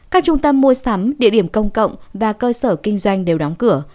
các trung tâm mua sắm địa điểm công cộng và cơ sở kinh doanh đều đóng cửa